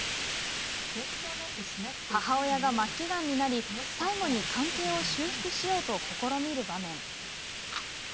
母親が末期がんになり、最期に関係を修復しようと試みる場面。